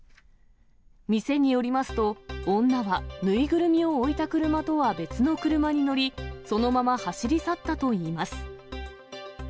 店によりますと、女は縫いぐるみを置いた車とは別の車に乗り、そのまま走り去ったといいます。